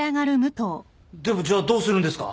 でもじゃあどうするんですか？